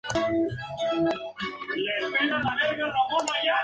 El levantamiento es para la gente y avanzará en las tierras árabes.